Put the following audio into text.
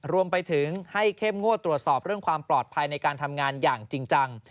รวมไปถึงให้เข้มงวดตรวจสอบเรื่องความปลอดภัยในการทำงานอย่างจริงจัง